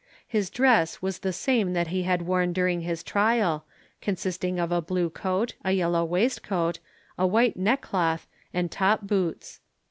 His dress was the same that he had worn during his trial, consisting of a blue coat, a yellow waistcoat, a white neck cloth, and top boots.